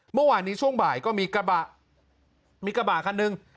เมื่อวานนี้ช่วงบ่ายก็มีกระบะมีกระบะคันหนึ่ง